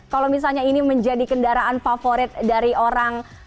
kalau misalnya ini menjadi kendaraan favorit dari orang